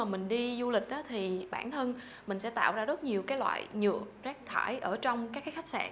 khi mà mình đi du lịch thì bản thân mình sẽ tạo ra rất nhiều cái loại nhựa rác thải ở trong các khách sạn